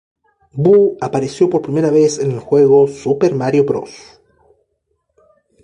Boo apareció por primera vez en el juego "Super Mario Bros.